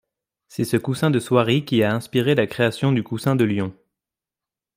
C'est ce coussin de soierie qui a inspiré la création du coussin de Lyon.